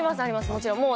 もちろんもう。